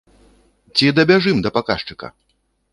Ці дабяжым да паказчыка?